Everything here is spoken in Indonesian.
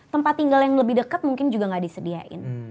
tempat tinggal yang lebih dekat mungkin juga nggak disediain